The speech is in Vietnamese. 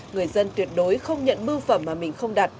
người dân tuyệt đối không nhận bưu phẩm mà mình không đặt